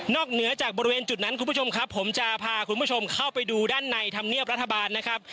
เหนือจากบริเวณจุดนั้นคุณผู้ชมครับผมจะพาคุณผู้ชมเข้าไปดูด้านในธรรมเนียบรัฐบาลนะครับ